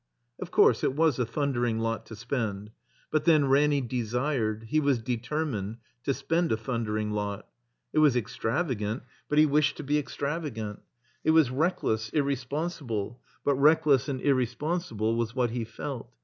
Of course, it was a thundering lot to spend. But then Ranny desired, he was determined to spend a thundering lot. It was extravagant, but he wished to be extravagant. It was reckless, irresponsible, but reckless and irresponsible was what he felt.